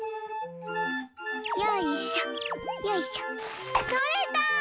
よいしょよいしょとれた！